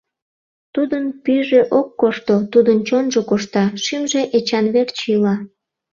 Тудын пӱйжӧ ок коршто, тудын чонжо коршта, шӱмжӧ Эчан верч йӱла.